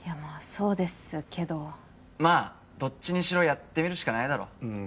そうですけどまあどっちにしろやってみるしかないだろうん